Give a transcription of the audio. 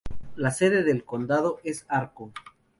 La sede del condado es Arco.